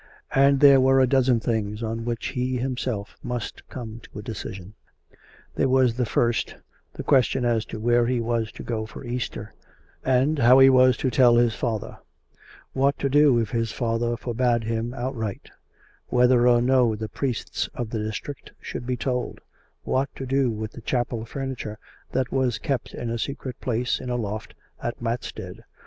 And there were a dozen things on which he himself must come to a decision. There was the first, the question as to where he was to go for Easrter, and how he was to tell his father; what to do if his father forbade him outright; whether or no the priests of the district should be told; what to do with the chapel furniture that was kept in a secret place in a loft at Mat stead.